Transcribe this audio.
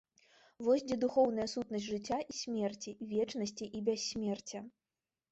Вось дзе духоўная сутнасць жыцця і смерці, вечнасці і бяссмерця.